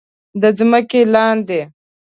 د ځمکې لاندې